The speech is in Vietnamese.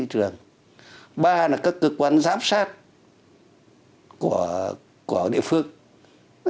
ba là các cơ quan giám sát của địa phương